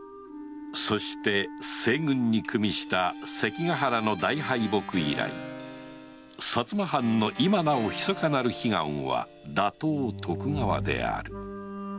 そして西軍に与した関ヶ原の大敗北以来薩摩藩の今なおひそかなる悲願は打倒徳川である